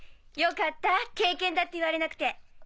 よかった経験だって言われなくて。